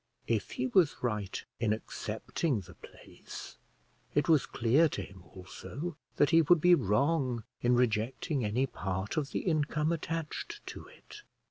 If he was right in accepting the place, it was clear to him also that he would be wrong in rejecting any part of the income attached to it.